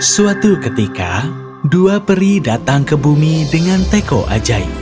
suatu ketika dua peri datang ke bumi dengan teko ajaib